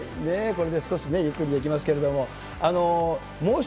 これで少しね、ゆっくりできますけども。